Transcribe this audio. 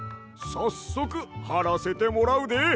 さっそくはらせてもらうで。